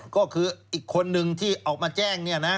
ก็คืออีกคนนึงที่ออกมาแจ้ง